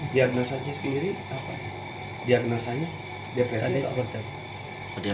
diagnosannya depresi atau seperti apa